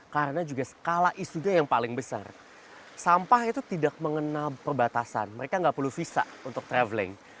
betul gimana dengan sampah tersebut seperti unfolding camp agar nilengarsi